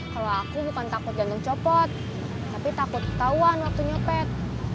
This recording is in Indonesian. kalau aku bukan takut jantung copot tapi takut ketahuan waktu nyopet